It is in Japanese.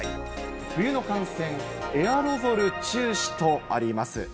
冬の感染、エアロゾル注視とあります。